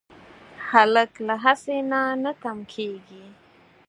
هلک له هڅې نه نه تم کېږي.